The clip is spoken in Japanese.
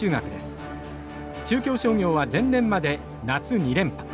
中京商業は前年まで夏２連覇。